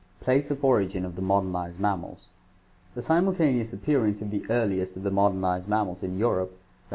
Place of Origin of the Modernized Mammals. — The simulta neous appearance of the earliest of the modernized mammals in Eu rope (lat.